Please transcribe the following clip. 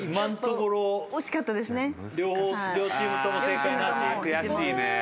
惜しかったですね。